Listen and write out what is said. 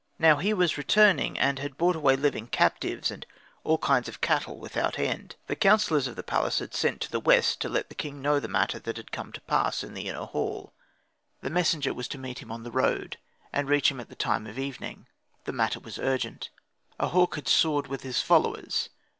Now he was returning, and had brought away living captives and all kinds of cattle without end. The councillors of the palace had sent to the West to let the king know the matter that had come to pass in the inner hall. The messenger was to meet him on the road, and reach him at the time of evening: the matter was urgent. "A hawk had soared with his followers."